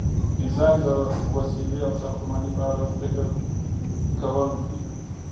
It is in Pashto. ډیزاین د وسیلې او ساختمان په اړه فکر کول دي.